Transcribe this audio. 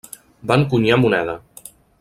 Va encunyar moneda.